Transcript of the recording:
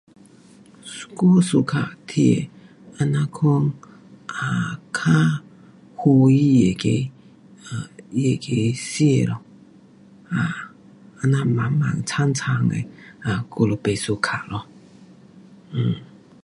我 suka 吃这样款 um 较欢喜的那个，um 他那个吃咯，这样满满参参的我就不 suka 咯。